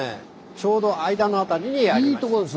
ちょうど間の辺りにあります。